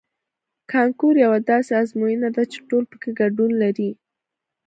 کانکور یوه داسې ازموینه ده چې ټول پکې ګډون لري